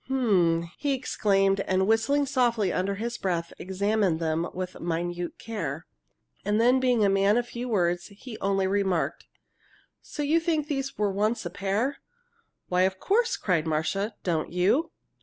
"H'm!" he exclaimed, and, whistling softly under his breath, examined them with minute care. And then, being a man of few words, he only remarked: "So you think these were once a pair?" "Why, of course!" cried Marcia. "Don't you?"